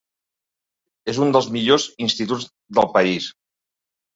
És un dels millors instituts del país.